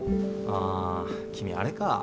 あ君あれか。